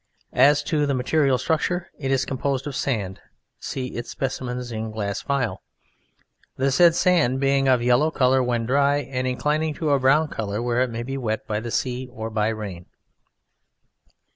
As to material or structure, it is composed of sand (see its specimens in glass phial), the said sand being of a yellow colour when dry and inclining to a brown colour where it may be wet by the sea or by rain.